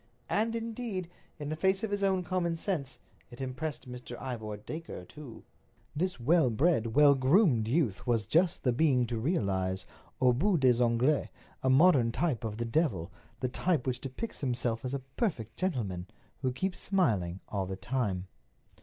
And, indeed, in the face of his own common sense, it impressed Mr. Ivor Dacre too. This well bred, well groomed youth was just the being to realize—aux bouts des ongles—a modern type of the devil, the type which depicts him as a perfect gentleman, who keeps smiling all the time.